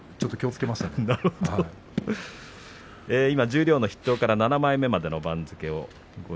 十両の筆頭から７番目までの番付です。